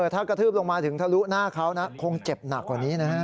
ถ้ากระทืบลงมาถึงทะลุหน้าเขานะคงเจ็บหนักกว่านี้นะฮะ